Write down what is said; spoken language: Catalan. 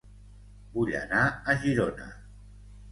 Vull anar a Girona